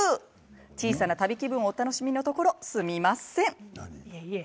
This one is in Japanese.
小さな旅気分をお楽しみのところ、すみません。